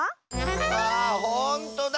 わあほんとだ！